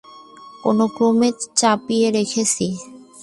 কোনোক্রমে চাপিয়ে রেখেছি।